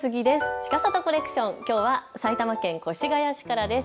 ちかさとコレクション、きょうは埼玉県越谷市からです。